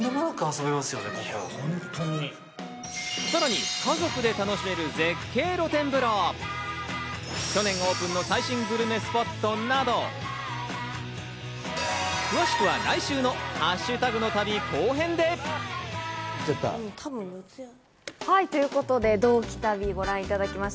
さらに、家族で楽しめる、絶景露天風呂、去年オープンの最新グルメスポットなど、詳しくは来週のハッシュタグの旅後編で！ということで、同期旅をご覧いただきました。